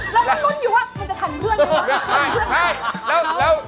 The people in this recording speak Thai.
แล้วมันรุ่นอยู่มันจะถั่นเพื่อนเลย